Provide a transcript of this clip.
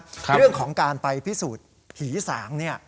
พี่ติ๊ฮับเรื่องของการไปพิสูจน์ผีสางเนี่ย